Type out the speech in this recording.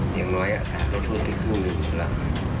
อย่างน้อยอัศจรรย์รถถุรปิ้งไปครับ